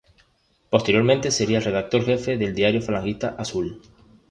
Posteriormente sería redactor-jefe del diario falangista "Azul".